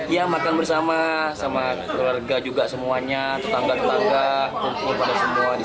ya makan bersama sama keluarga juga semuanya tetangga tetangga kumpul pada semua